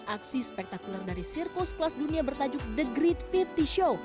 aksi spektakuler dari sirkus kelas dunia bertajuk the great lima puluh show